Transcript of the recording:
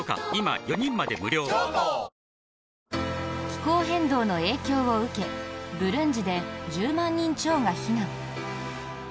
気候変動の影響を受けブルンジで１０万人超が避難。